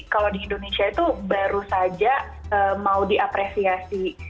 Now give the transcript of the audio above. kalau di indonesia itu baru saja mau diapresiasi